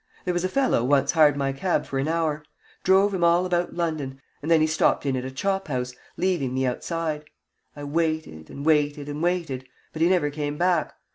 There was a fellow once hired my cab for an hour. Drove him all about London, and then he stopped in at a chop house, leaving me outside. I waited and waited and waited, but he never came back.